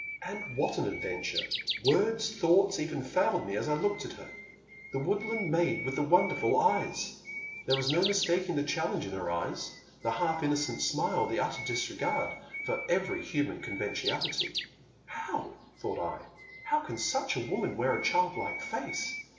And what an adventure ! Words, thoughts even failed me as I looked at her. This wood The Silent Land. 99 land maid with the wonderful eyes ! There was no mistaking the challenge in her eyes, the half innocent smile, the utter disregard for every human conventionality. How, thought I —how can such a woman wear a childlike face